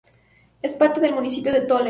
Es parte del municipio de Tholen.